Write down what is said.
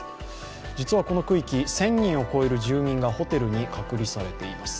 実はこの区域、１０００人を超える住民がホテルに隔離されています。